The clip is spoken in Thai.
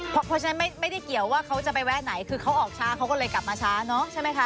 เพราะฉะนั้นไม่ได้เกี่ยวว่าเขาจะไปแวะไหนคือเขาออกช้าเขาก็เลยกลับมาช้าเนอะใช่ไหมคะ